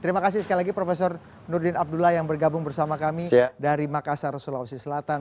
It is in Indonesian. terima kasih sekali lagi prof nurdin abdullah yang bergabung bersama kami dari makassar sulawesi selatan